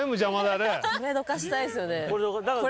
これどかしたいですよね。